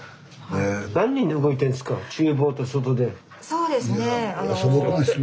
そうですね。